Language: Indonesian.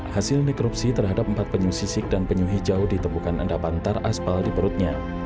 hasil nekropsi terhadap empat penyuh sisik dan penyuh hijau ditemukan enda pantar aspal di perutnya